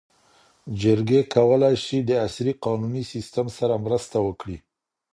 جرګې کولی سي د عصري قانوني سیسټم سره مرسته وکړي.